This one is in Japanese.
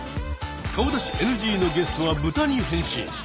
顔出しＮＧのゲストはブタに変身。